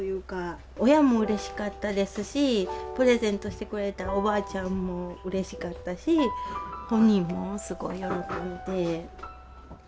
親もうれしかったですしプレゼントしてくれたおばあちゃんもうれしかったし本人もすごく喜んで。